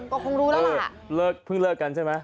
ก็คงรู้แล้วล่ะเลิกเพิ่งเลิกกันใช่ไหม